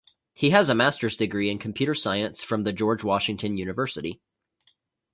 He has a master's degree in computer science from The George Washington University.